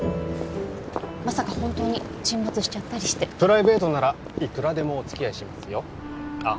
まさか本当に沈没しちゃったりしてプライベートならいくらでもお付き合いしますよあっ